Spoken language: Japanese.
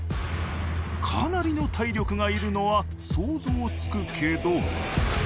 かなりの体力がいるのは想像つくけど。